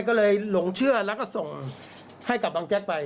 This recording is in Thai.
ก็เลยหลงเชื่อแล้วก็ส่งให้กับบังแจ๊กไป